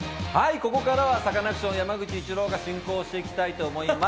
ここからはサカナクション・山口一郎が進行していきたいと思います。